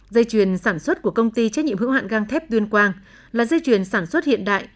dây chuyền sản xuất của công ty trách nhiệm hữu hạn găng thép tuyên quang là dây chuyền sản xuất hiện đại